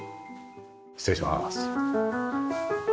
失礼します。